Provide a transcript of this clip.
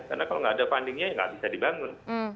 karena kalau tidak ada fundingnya tidak bisa dibangun